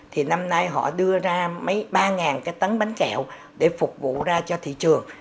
thì năm nay họ đưa ra mấy ba cái tấn bánh kẹo để phục vụ ra cho thị trường